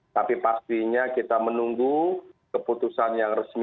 tapi pastinya kita menunggu keputusan yang resmi